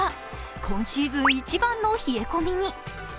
今シーズン一番の冷え込みに。